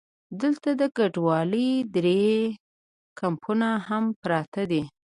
دلته د کډوالو درې کمپونه هم پراته دي.